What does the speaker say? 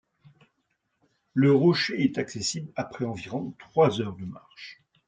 Le rocher est accessible après environ trois heures de marche.